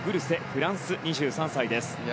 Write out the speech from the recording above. フランス、２３歳です。